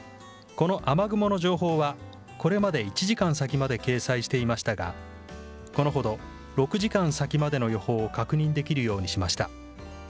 この雨雲の情報はこれまで１時間先まで掲載していましたがこのほど６時間先までの予報を確認できるようにしました。